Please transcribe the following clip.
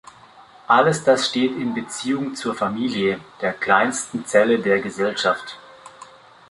All das steht in Beziehung zur Familie, der kleinsten Zelle der Gesellschaft.